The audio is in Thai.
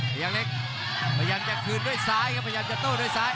พยักเล็กพยักจะคืนด้วยซ้ายครับพยักจะโต้ด้วยซ้าย